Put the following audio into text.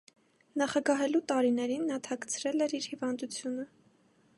Նախագահելու տարիներին նա թաքցրել էր իր հիվանդությունը։